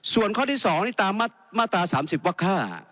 ส่วนข้อที่๒นี่ตามมาตรา๓๐วัก๕